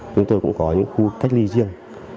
chúng tôi cũng có những khu cách ly riêng